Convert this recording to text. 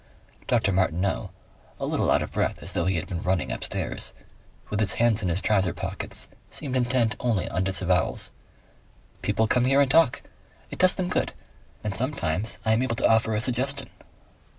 Dr. Martineau, a little out of breath as though he had been running upstairs, with his hands in his trouser pockets, seemed intent only on disavowals. "People come here and talk. It does them good, and sometimes I am able to offer a suggestion.